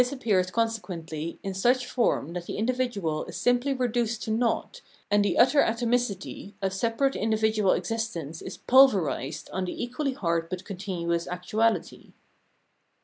This appears consequently in such form that the individual is simply reduced to naught, and the utter atomicity of separate individual existence is pulverised on the equally hard but continuous actuahty.